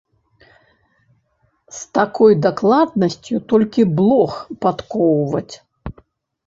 З такой дакладнасцю толькі блох падкоўваць!